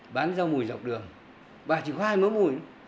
bán rau mùi dọc đường bà chỉ có hai mớ mùi